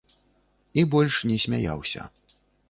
І больш не смяяўся.